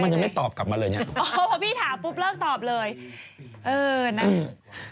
มันยังไม่ตอบกลับมาเลยเนี้ยอ๋อพี่ถามปุ๊บเลิกตอบเลยเออนะ